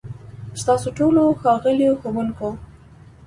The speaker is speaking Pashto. ستاسو ټولو، ښاغليو ښوونکو،